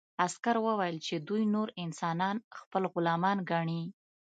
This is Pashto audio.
عسکر وویل چې دوی نور انسانان خپل غلامان ګڼي